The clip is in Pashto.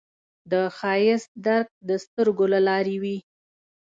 د ښایست درک د سترګو له لارې وي